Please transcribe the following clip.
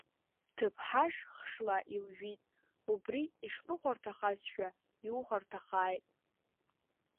Ҭыԥҳаш хшла илжәит, убри ишлыхәарҭахазшәа иухәарҭахааит.